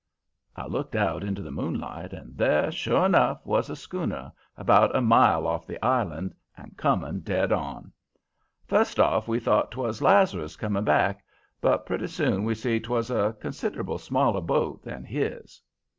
"I looked out into the moonlight, and there, sure enough, was a schooner, about a mile off the island, and coming dead on. First off we thought 'twas Lazarus coming back, but pretty soon we see 'twas a considerable smaller boat than his.